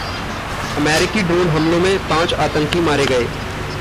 अमेरिकी ड्रोन हमलों में पांच आतंकी मारे गए